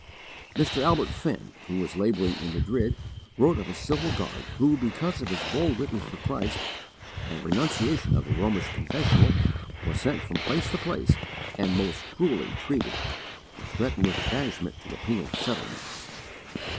Mr. Albert Fenn, who was labouring in Madrid, wrote of a civil guard who, because of his bold witness for Christ and renunciation of the Romish confessional, was sent from place to place and most cruelly treated, and threatened with banishment to a penal settlement.